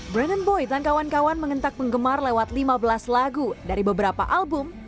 brandon boy dan kawan kawan mengentak penggemar lewat lima belas lagu dari beberapa album